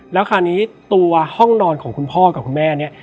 แล้วคราวนี้ตัวห้องนอนของคุณพ่อกับคุณแม่เนี่ย